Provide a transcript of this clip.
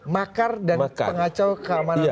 makar dan pengacau keamanan